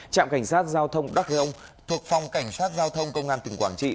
trạm cảnh sát giao thông đắc lê ông thuộc phòng cảnh sát giao thông công an tỉnh quảng trị